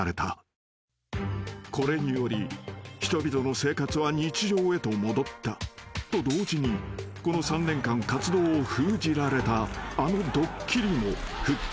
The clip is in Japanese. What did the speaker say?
［これにより人々の生活は日常へと戻ったと同時にこの３年間活動を封じられた］